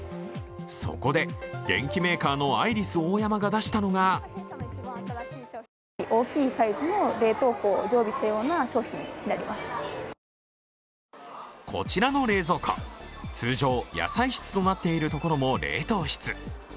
そこで、電機メーカーのアイリスオーヤマが出したのがこちらの冷蔵庫、通常野菜室となっているところも冷凍室。